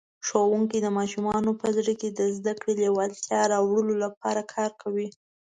ښوونکی د ماشومانو په زړه کې د زده کړې لېوالتیا راوړلو لپاره کار کوي.